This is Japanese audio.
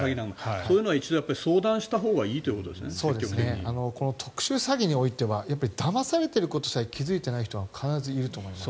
それは一度相談したほうが特殊詐欺においてはやっぱりだまされてることさえ気付いていない人は必ずいると思います。